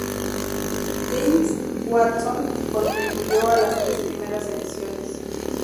James Watson contribuyó a las tres primeras ediciones.